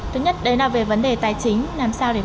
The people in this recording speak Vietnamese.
thứ nhất đấy là về vấn đề tài chính